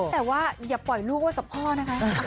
แต่ว่าอย่าปล่อยลูกไว้กับพ่อนะคะ